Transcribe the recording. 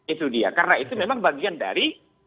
itu dia karena itu memang bagian dari